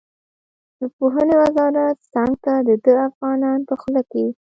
د پوهنې وزارت څنګ ته د ده افغانان په خوله کې.